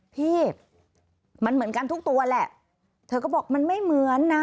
พี่มันเหมือนกันทุกตัวแหละเธอก็บอกมันไม่เหมือนนะ